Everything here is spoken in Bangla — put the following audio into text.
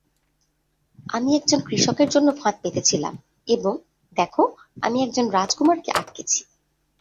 আমি একজন কৃষকের জন্য ফাঁদ পেতেছিলাম এবং, দেখ, আমি একজন রাজকুমারকে আটকেছি।